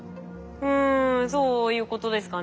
うんそういうことですかね？